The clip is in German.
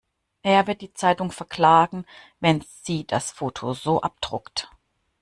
Er wird die Zeitung verklagen, wenn sie das Foto so abdruckt.